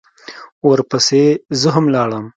ورپسې زه هم لاړم.